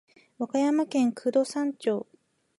和歌山県九度山町